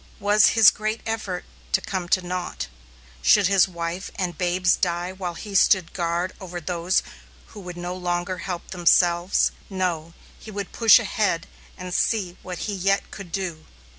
Was his great effort to come to naught? Should his wife and babes die while he stood guard over those who would no longer help themselves? No, he would push ahead and see what he yet could do!